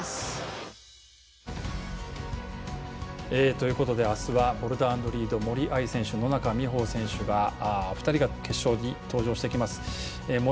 ということで明日はボルダー＆リード森秋彩選手、野中生萌選手２人が決勝に登場してきます。